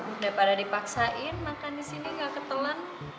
udah pada dipaksain makan disini gak ketelan